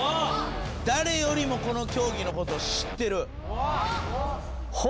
だれよりもこの競技のことを知ってる。